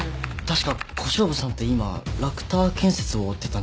確か小勝負さんって今ラクター建設を追ってたんじゃ。